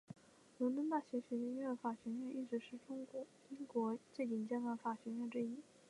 伦敦大学学院法学院一直是英国最顶尖的法学院之一。